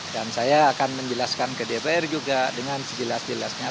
dan saya akan menjelaskan ke dpr dengan sejelas jelasnya